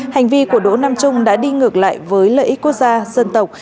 hành vi của đỗ nam trung đã đi ngược lại với lợi ích quốc gia dân tộc